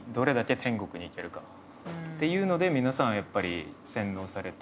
っていうので皆さんやっぱり洗脳されて。